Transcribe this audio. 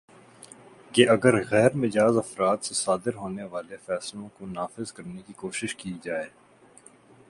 کہ اگرغیر مجاز افراد سے صادر ہونے والے فیصلوں کو نافذ کرنے کی کوشش کی جائے